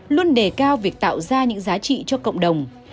luôn đề cao việc tạo ra những giá trị cho cộng đồng